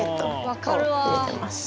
分かるわあ。